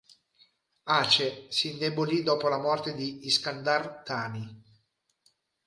Aceh si indebolì dopo la morte di Iskandar Thani.